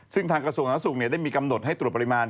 ซึ่งทางกระทรวงสาธารสุขได้มีกำหนดให้ตรวจปริมาณ